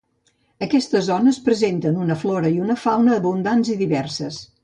Aquestes zones presenten una flora i una fauna abundants i diverses.